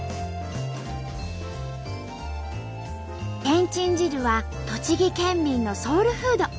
けんちん汁は栃木県民のソウルフード。